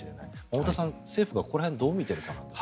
太田さん、政府はここら辺どう見ていますか。